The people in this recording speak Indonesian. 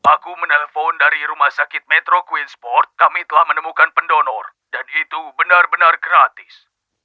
aku menelpon dari rumah sakit metro queensport kami telah menemukan pendonor dan itu benar benar gratis